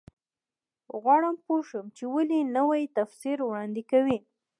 غواړم پوه شم چې ولې نوی تفسیر وړاندې کوي.